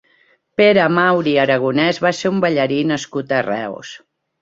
Pere Mauri Aragonès va ser un ballarí nascut a Reus.